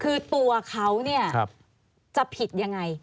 คือตัวเขาเนี่ยจะผิดยังไง